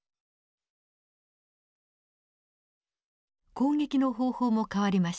攻撃の方法も変わりました。